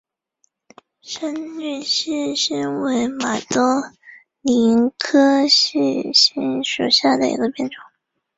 深绿细辛为马兜铃科细辛属下的一个变种。